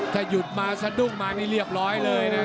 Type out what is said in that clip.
ถ้าหยุดมาสะดุ้งมานี่เรียบร้อยเลยนะ